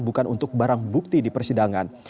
bukan untuk barang bukti di persidangan